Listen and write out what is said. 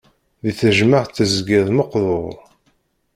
Di tejmaɛt tezgiḍ meqdur.